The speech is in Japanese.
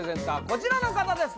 こちらの方です